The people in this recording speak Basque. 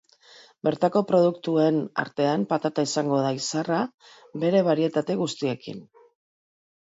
Bertako produktuen artean patata izango da izarra, bere barietate guztiekin.